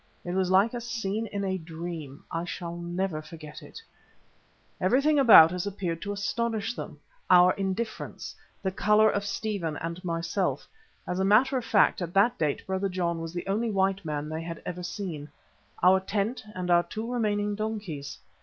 It was like a scene in a dream; I shall never forget it. Everything about us appeared to astonish them, our indifference, the colour of Stephen and myself (as a matter of fact at that date Brother John was the only white man they had ever seen), our tent and our two remaining donkeys.